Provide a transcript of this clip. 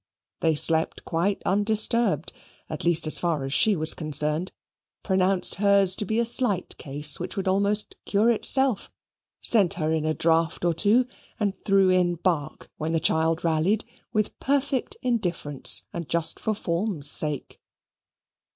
They slept quite undisturbed, at least as far as she was concerned pronounced hers to be a slight case, which would almost cure itself, sent her in a draught or two, and threw in bark when the child rallied, with perfect indifference, and just for form's sake.